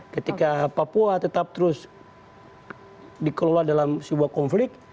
ketika papua tetap terus dikelola dalam sebuah konflik